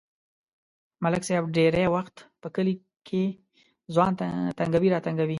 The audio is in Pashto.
ملک صاحب ډېری وخت په کلي کې ځوان تنگوي راتنگوي.